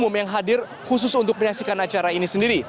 umum yang hadir khusus untuk menyaksikan acara ini sendiri